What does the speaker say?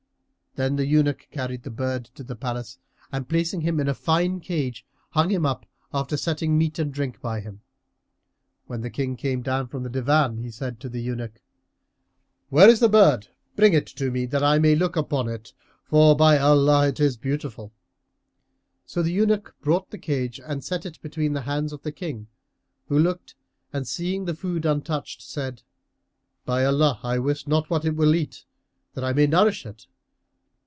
Then the eunuch carried the bird to the palace and placing him in a fine cage, hung him up after setting meat and drink by him. When the King came down from the Divan, he said to the eunuch, "Where is the bird? Bring it to me, that I may look upon it; for, by Allah, 'tis beautiful!" So the eunuch brought the cage and set it between the hands of the King, who looked and seeing the food untouched, said, "By Allah, I wis not what it will eat, that I may nourish it!"